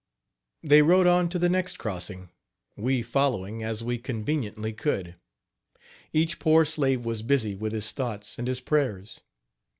They rode on to the next crossing, we following as we conveniently could. Each poor slave was busy with his thoughts and his prayers.